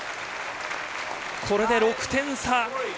これで６点差。